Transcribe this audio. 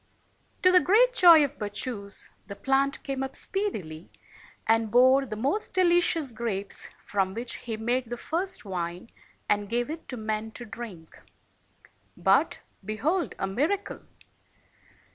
To the great joy of Bacchus, the plant came up speedily, and bore the most delicious grapes, from which he made the first wine and gave it to men to drink. But — behold a miracle!